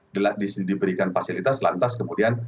diberikan fasilitas lantas kemudian